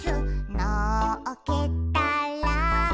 「のっけたら」